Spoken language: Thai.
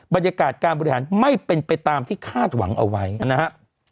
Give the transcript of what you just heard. บรรยากาศการบริหารไม่เป็นไปตามที่คาดหวังเอาไว้นะครับ